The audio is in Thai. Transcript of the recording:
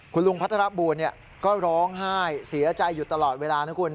คุณลุงพัทรบูลก็ร้องไห้เสียใจอยู่ตลอดเวลานะคุณ